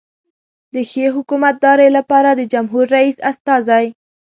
د ښې حکومتدارۍ لپاره د جمهور رئیس استازی.